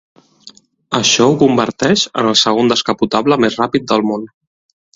Això ho converteix en el segon descapotable més ràpid del món.